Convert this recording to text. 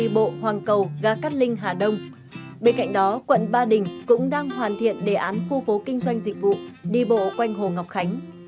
bên cạnh đó quận ba đình cũng đang hoàn thiện đề án khu phố kinh doanh dịch vụ đi bộ quanh hồ ngọc khánh